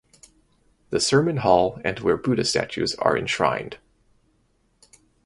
The sermon hall and where Buddha statues are enshrined.